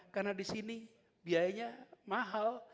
karena di sini biayanya mahal